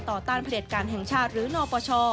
ต้านผลิตการแห่งชาติหรือนปช